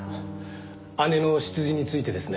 姉の出自についてですね。